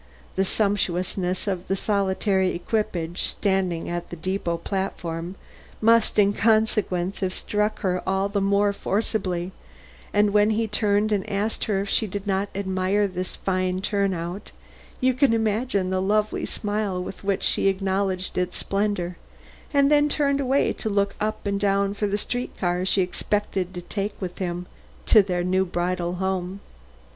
The sumptuousness of the solitary equipage standing at the depot platform must, in consequence, have struck her all the more forcibly, and when he turned and asked her if she did not admire this fine turn out, you can imagine the lovely smile with which she acknowledged its splendor and then turned away to look up and down for the street car she expected to take with him to their bridal home.